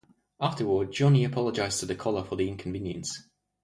Afterward, Johnny apologized to the caller for the inconvenience.